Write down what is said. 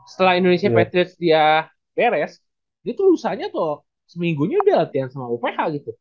setelah indonesia patrick dia beres dia tuh lusanya tuh seminggunya dia latihan sama uph gitu